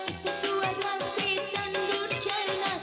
itu suara setan durcana